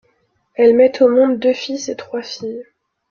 Elle met au monde deux fils et trois filles.